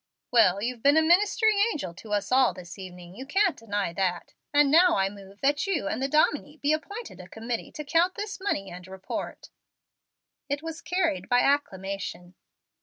"Well, you've been a ministering angel to us all, this evening; you can't deny that; and I now move that you and the dominie be appointed a committee to count this money and report." It was carried by acclamation.